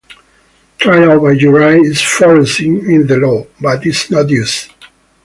Trial by jury is foreseen in the law, but is not used.